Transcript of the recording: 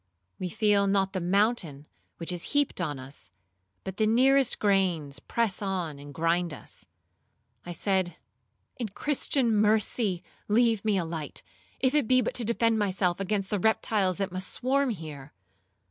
We feel not the mountain which is heaped on us, but the nearest grains press on and grind us. I said, 'In Christian mercy leave me a light, if it be but to defend myself against the reptiles that must swarm here.'